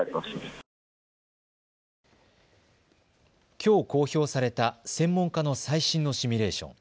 きょう公表された専門家の最新のシミュレーション。